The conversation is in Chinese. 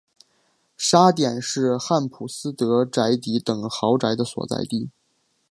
沙点是汉普斯德宅邸等豪宅的所在地。